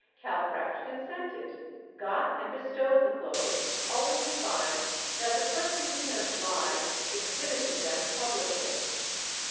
Calcraft consented, got and bestowed the clothes, only to find that the person he had obliged exhibited them publicly.